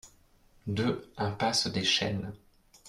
deux iMPASSE DES CHENES